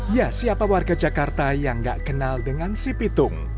ya siapa warga jakarta yang gak kenal dengan si pitung